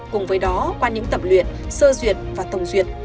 cùng với đó qua những tập luyện sơ duyệt và tổng duyệt